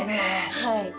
はい。